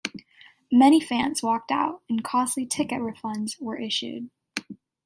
Many fans walked out, and costly ticket refunds were issued.